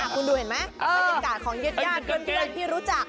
คุณดูเห็นมั้ยบรรยากาศของเย็ดย่านเพื่อนที่รู้จัก